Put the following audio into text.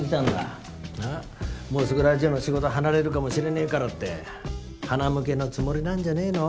もうすぐラジオの仕事を離れるかもしれねえからってはなむけのつもりなんじゃねえの？